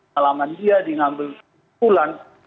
selama dia diambil kesimpulan